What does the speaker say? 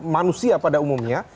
manusia pada umumnya